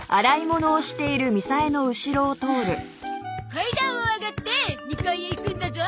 階段を上がって２階へ行くんだゾ。